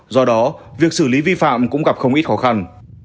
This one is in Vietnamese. do đó việc xử lý vi phạm cũng gặp không ít khó khăn